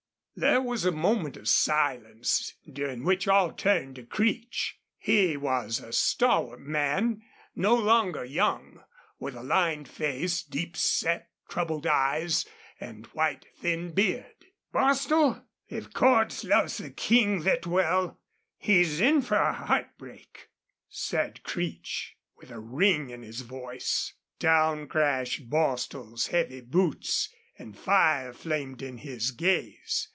There was a moment of silence, during which all turned to Creech. He was a stalwart man, no longer young, with a lined face, deep set, troubled eyes, and white, thin beard. "Bostil, if Cordts loves the King thet well, he's in fer heartbreak," said Creech, with a ring in his voice. Down crashed Bostil's heavy boots and fire flamed in his gaze.